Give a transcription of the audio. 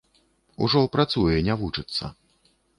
Ужо працуе, не вучыцца.